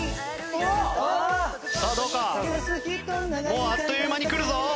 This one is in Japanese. もうあっという間にくるぞ。